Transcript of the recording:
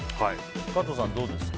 加藤さん、どうですか？